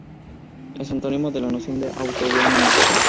Es antónimo de la noción de autoglotónimo.